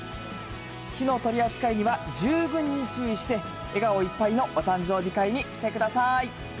火の取り扱いには十分注意して、笑顔いっぱいのお誕生日会にしてください。